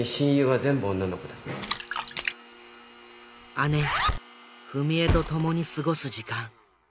姉冨美枝と共に過ごす時間。